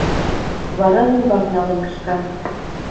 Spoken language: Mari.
Вара умбак налын кышка.